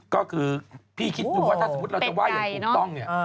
ก็คือพี่คิดดูว่าถ้าสมมุติเราจะไหว้อย่างถูกต้องเนี่ย